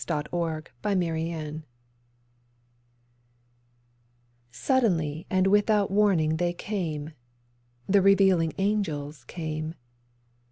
THE REVEALING ANGELS SUDDENLY and without warning they came— The Revealing Angels came.